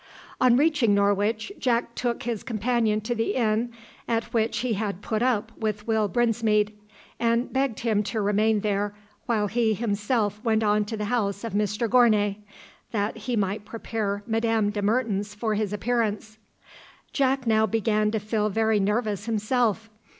On reaching Norwich Jack took his companion to the inn at which he had put up with Will Brinsmead, and begged him to remain there while he himself went on to the house of Mr Gournay, that he might prepare Madame de Mertens for his appearance. Jack now began to feel very nervous himself.